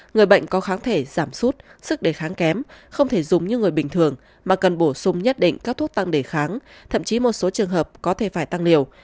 người bệnh có kháng thể giảm sút sức đề kháng kém không thể dùng như người bình thường mà cần bổ sung nhất định các thuốc tăng đề kháng thậm chí một số trường hợp có thể phải tăng liều